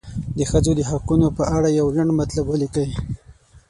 د ښځو د حقونو په اړه یو لنډ مطلب ولیکئ.